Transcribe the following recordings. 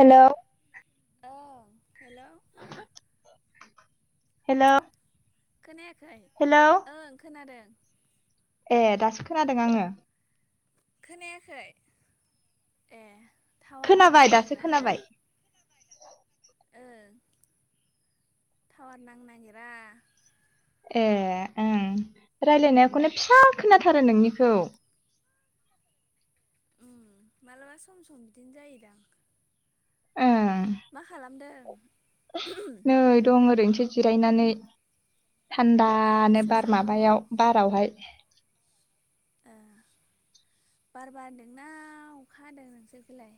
हेल' ओं hello hello खोनायाखै hello ओं खोनादों ए दासो खोनादों आङो। खोनायाखै? ए टावारानो खोनाबाय नां दासो नागिराहाय खोनाबाय ओ टावार नां नागिरा ए ओं रायज्लायनायाखौनो फिसा खोनाथारो उम नोंनिखौ उम मालाबा सम सम बिदिनो जायोदां ओं मा खालामदों नै दं ओरैनोसो जिरायनानै। ए थान्दानो सोर सोर बार दङ माबायाव बारावहाय ओ बार बारदोंना अखा हादों नोंसोरनिखिलाय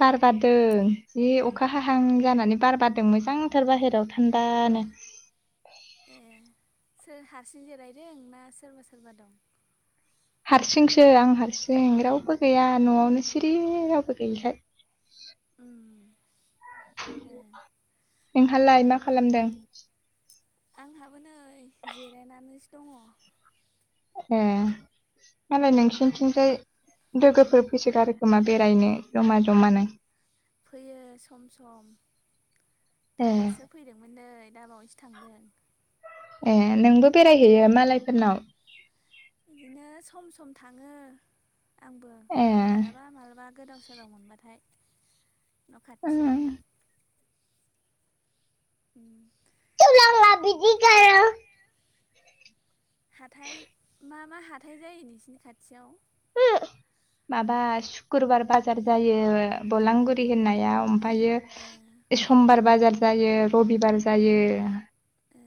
बार बारदों जि अखा हाहां जानानै बार बारदों मोजांथार बाहेरायाव थान्दानो। ए सोर हारसिं जिरायदों ना सोरबा सोरबा दं हारसिंसो आं हारसिं रावबो गैया न'आवनो सिरि रावबो गैयिखाय उम ओं नोंहालाय मा खालामदों आंहाबो नै जिरायनानैसो दङ। ए। मालाय नोंसिनिथिंजाय लोगोफोर फैसोगारोखोमा बेरायनो जमा जमा नों फैयो सम सम ए दासो फैदोंमोन नै दाबावैसो थांदों ए नोंबो बेरायहैयो मालायफोरनाव? बिदिनो सम सम थाङो आंबो ए मालाबा मालाबा गोदाव सोराव मोनबाथाय न' खाथियाव उम ओम होनांला‌ बिदिखो [unintelligible] हाथाय मा मा हाथाय जायो नोंसिनि खाथियाव? माबा सुक्रुबार बाजार जायो बलांगुरि होननायाव ओमफ्रायो ओ समबार बाजार जायो रबिबार जायो। ए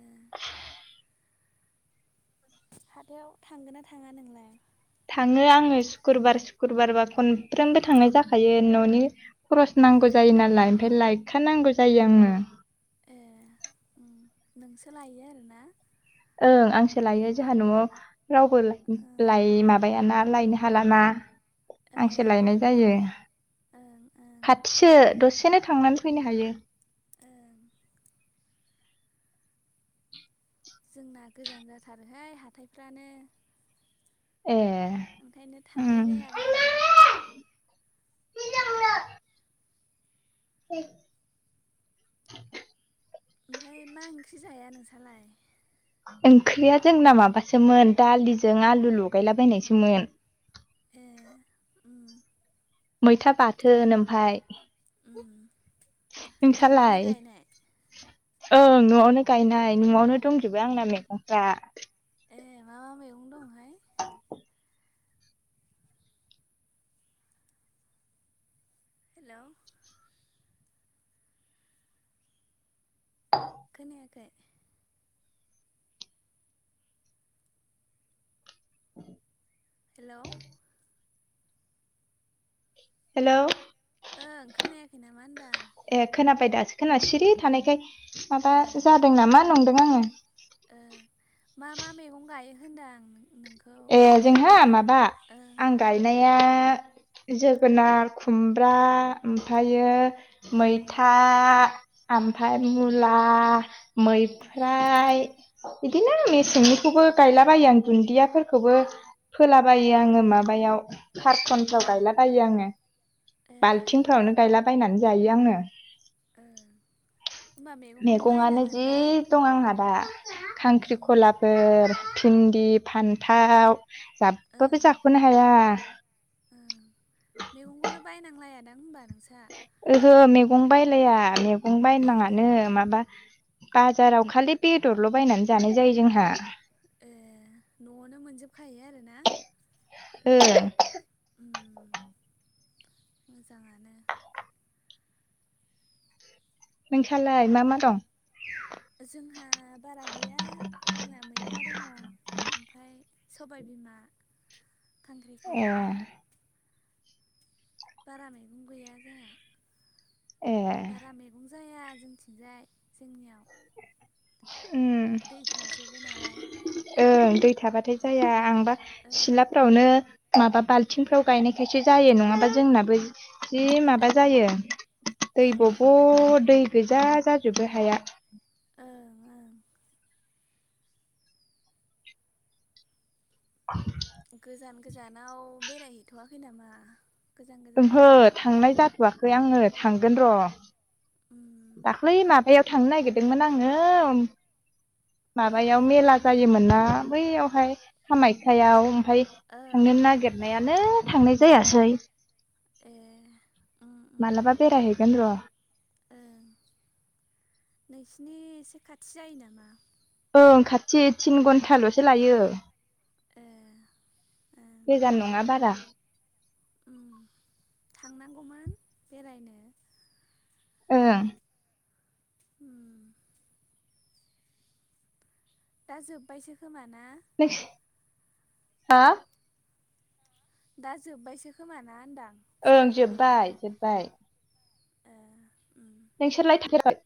हाथायाव थांगोन ना थाङा नोंलाय थाङो आङो सुक्रुबार सुक्रुबारबा खनफ्रोमबो थांनाय जाखायो न'नि खरस उम नांगौ जायो नालाय ओमफ्राय लायखा नांगौ जायो आङो। ए ओम नोंसो लायो आरोना? ओं आंसो लायो जाहा न'आव रावबो ओं लाय माबायाना लायनो खालामा ओ आंसो लायनाय जायो ओं ओं खाथिसो दसेनो थांनानै फैनो हायो। ओं। जोंना गोजान जाथारोहाय हाथायफ्रानो ए ओंखायनो उम थांनाय जाया बारा [inaudible] ए ओमफ्राय मा ओंख्रि जाया नोंस्रलाय ओंख्रिया जोंना माबासोमोन दालिजों आलु लगायलाबायनायसोमोन ए मैथा बाथोन ओमफ्राय उम न'आवनो गायनाय ओं न'आवनो गायनाय न'आवनो दंजोबो आंना मैगंफ्रा ए मा मा मैगं दंहाय [inaudible] हेलौ खोनायाखै हेलौ हेलौ ओं खोनायाखै नामा होनदां? ए खोनाबाय दासो खोनासिरि थानायखाय माबा जादों नामा नंदों आङो ओ मा मा मैगं गायो होनदों आं नोंखौ ए जोंहा माबा ओं आं गायनाया जोगोनार खुमब्रा ओमफ्रायो ओं मैथा ओमफ्राय मुला ओं मैफ्राय बिदिनो आं ओं मेसेंनिखौबो गायलाबायो आं दुन्दियाफोरखौबो फोलाबायो ओं आङो माबा माबायाव कारटनफ्राव उम गायलाबायो आङो ए बाल्थिंफ्रावनो गायलाबायायनानै जायो आङो ओं होनबा मैगंखौनो मैगंआनो जि बायनाङादां दं आंना दा खांख्रिखलाफोर भिन्दि फान्थाव जाबा बो ओं जाख'नो हाया ओं मैगंखौनो बायनांलायादां होनबा नोंस्रा ओहो मैगं बायलाया मैगं ओं बायनाङानो माबा बाजाराव खालि बेदरल' बायनानै जानाय जायो जोंहा ए न'आवनो मोनजोबखायो आरो ना ओं उम मोजाङानो नोंस्रालाय मा मा दं जोंहा बारा गैया जोंना मैथा दङ ओमफ्राय सबाय बिमा ए खांख्रिखला बारा मैगं गैया जोंहा ए बारा मैगं जाया जोंथिंजाय जोंनियाव उम दै थाजोबो नालाय ओं दै थाबाथाय जाया ओंखायनो आंबा ओं सिलाफ्रावनो माबा बाल्थिंफ्राव गायनायखायसो जायो नङाबा जोंनाबो जि माबा जायो दै ए बब' दै गोजा जाजोबो हाया ओं ओं [inaudible] गोजान गोजानाव बेरायहैथ'वाखै नामा गोजान गोजान ओहो जायगायाव थांनाय जाथ'वाखै आङो थांगोन र'। उम दाख्लि माबायाव थांनो नागिरदोंमोन आङो ओ माबायाव मेला जायोमोन ना? बैयावहाय कामाख्याआव ओमफाय ओं थांनो नागिरनायानो थांनाय जायासै। एह। मालाबा बेरायहैगोन र' ओं। नोंसिनि एसे खाथि जायो नामा ओं खाथि थिन घन्टाल'सो लायो ए ओं गोजान नङा बारा उम थांनांगौमोन बेरायनो ओं। ओम। दा जोबबायसो खोमा ना? हो दा जोबबायसो खोमाना होनदां? फुजा ओं जोबबाय- जोबबाय। ओह ओम। नोंसोरलाय थांफेरबाय?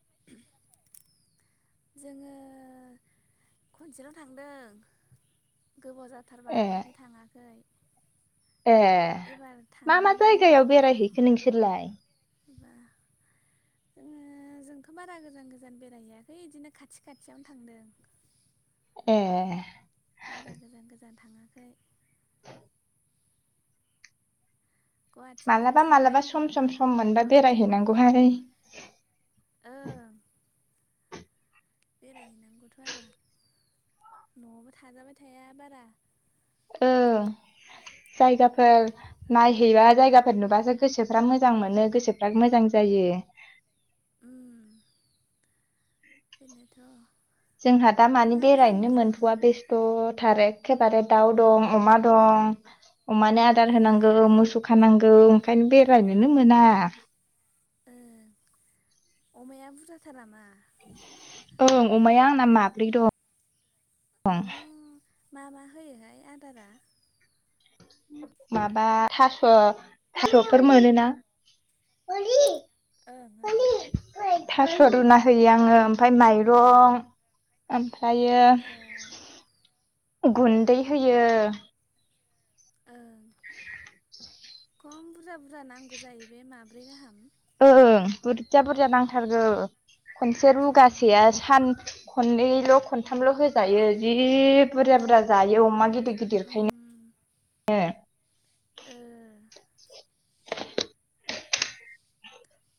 जोङो खनसेल' थांदों। गोबाव जाथारबाय ए ओमफाय थाङाखै। ए एबार मा - मा थांनांगोन र' जायगायाव बेरायहैखो नोंसोरलाय? एबा जोङो जोंथ' बारा गोजान- गोजान बेरायहैयाखै बिदिनो खाथि खाथियावनो थांदों। ए। बारा गोजान- गोजान थाङाखै। गुवाहाटियाव मालाबा थांखांबाय मालाबा आरो सम सम सम मोनबा होमबाबो थाङाखै। बेरायहैनांगौहाय ओं। बेरायहैनांगौथ' आरो न'आवबो थाजाबाय थाया बारा। ओह उम जायगाफोर नायहैबा जायगाफोर नुबासो गोसोफ्रा मोजां मोनो गोसोफ्रा मोजां जायो। ओम बेनोथ'। जोंहा दा मानि नोंहा गोजान बेरायनोनो मोनथ'वा गोजानाव बेस थ' थार एखेबारे दाउ दं, अमा दं। अमानो आदार ओ होनांगौ, मोसौ खानांगौ ओंखायनो बेरायनोनो मोना। ओं, अमाया बुरजाथार नामा? ओं, अमाया आंना माब्रै दं। आयऔ मा- मा होयोहाय आदारा? माबा थास' -थास'फोर मोनोना। ओं ओं थास' रुना होयो आङो ओमफाय माइरं ओमफ्रायो ओ गुन्दै होयो। ओं खम बुरजा- बुरजा नांगौ जायो बे माब्रै गाहाम। ओं बुरजा- बुरजा नांथारगौ। खनसे उम रुगासेया सान खननैल' खनथामल' होजायो जि बुरजा- बुरजा जायो अमा गिदिर गिदिरखायनो। उम ओ। ओह।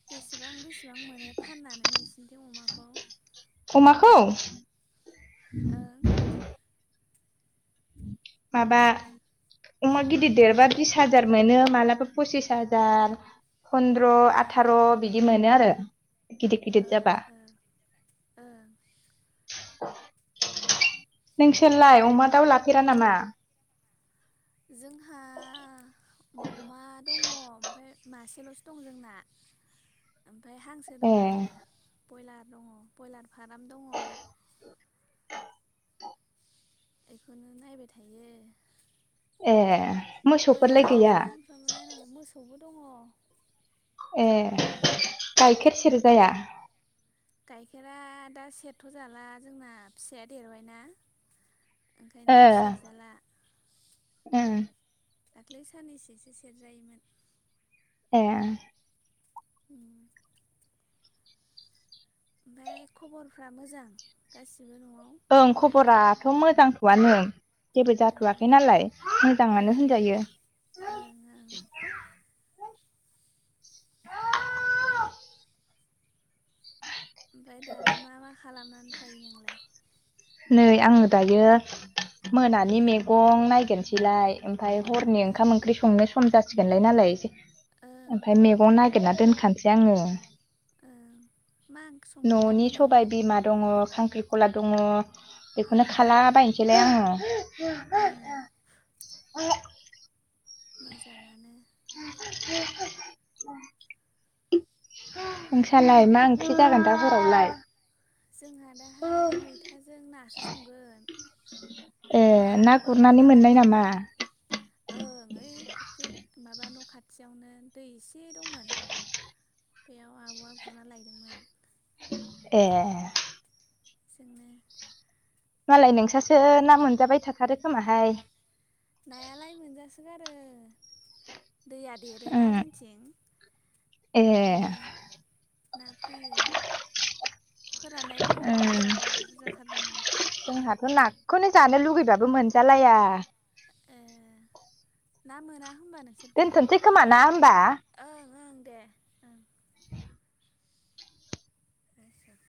बेसेबां बेसेबां मोनो फाननानै नोंसोरनिथिं अमाखौ? अमाखौ? ओं। माबा अमा गिदिर देरबा बिस हाजार मोनो मालाबा पसिस हाजार। फन्द्र ओ आथार बिदि मोनो आरो गिदिर गिदिर ओं जाबा ओं ओं नोंसोरलाय अमा दाउ लाफेरा नामा जोंहा अमा दङ ओमफ्राय मासेलसो दं जोंना ओमफ्राय हांसो ए दङ आरो बयलार दङ बयलार फाराम दङ बेखौनो नायबाय थायो। ए। मोसौफोरलाय ब्रयलाराथ' गैया सामफ्रामबो नायनांगौ मोसौबो दङ। ए गाइखेर सेरजाया? गाइखेरा दा सेरथ जाला जोंना फिसाया देरबायना ओंखायनो ए सेरजाला ए दाख्लै साननैसेसो सेरजायोमोन ए उम ओमफ्राय खबरफ्रा मोजां गासिबो नआव ओं खबराथ मोजांथआनो जेबो ओं जाथवाखै नालाय मोजाङानो होनजायो ओं ओं [inaudible] ओमफ्राय दालाय मा मा खालामनानै थायो नोंलाय नै आङो दायो मोनानि मैगं नायगिरनोसैलाय ओमफ्राय हरनि ओंखाम ओं ओंख्रि संनो सम जासिगोनलाय नालाय एसे ओं ओमफ्राय मैगं ना गिरना दोनखानोसै आङो ओं मा ओंख्रि संगोन दा ननि सबाय मोनायाव बिमा दङ खांख्रिखला दङ बेखौनो खालाबायनोसैलाय आङो उम मोजाङानो [inaudible] नोंसालाय मा ओंख्रि जागोन दा हरावलाय जोंहा दाहाय मैथाजों नासो संगोन ए दहाय ना आबआ गुरनानै गुरना मोननाय नामा लायदोंमोन ओं ओइ फुख्रि माबा न खाथियावनो दै एसे दंमोन बेयाव आबआ गुरना लायदोंमोन एह [unintelligible] मालाय नोंसासो ना मोनजाबाय थाथारो खोमाहाय नायालाय मोनजासोगारो दैया देरोना उम जोंथिं ए ओंखायनो ना फैयो फोराननाय दङ उम बुरजाबाव बुरजाथार दङ जोंहाथ' नाखौनो जानो लुुबैबाबो मोनजालाया एह ना मोना होमबा नोंसोर दोनथनोसै खोमा ना होमबा ओं ओं दे ओं [inaudible] [unintelligible]